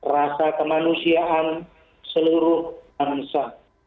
rasa kemanusiaan seluruh bangsa